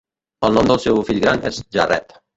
El nom del seu fill gran és Jarrett.